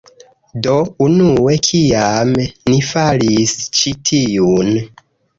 Do, unue kiam ni faris ĉi tiun...